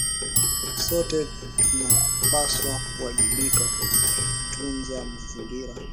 Sote tunapaswa kuwajibika kutunza mazingira